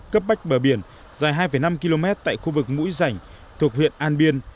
cấp bách bờ biển dài hai năm km tại khu vực mũi rảnh thuộc huyện an biên